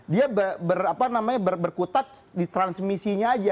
dia berkutat di transmisinya aja